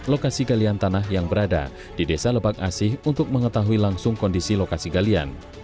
lokasi galian tanah yang berada di desa lebak asih untuk mengetahui langsung kondisi lokasi galian